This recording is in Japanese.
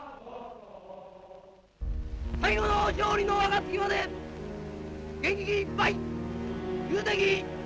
最後の勝利の暁まで元気いっぱいきゅう敵